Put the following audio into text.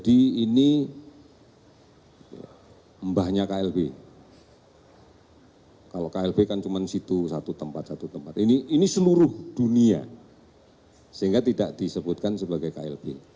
ini tidak disebutkan sebagai klb